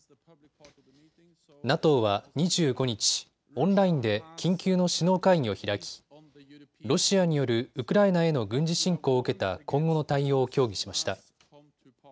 ＮＡＴＯは２５日、オンラインで緊急の首脳会議を開きロシアによるウクライナへの軍事侵攻を受けた今後の対応を協議しました。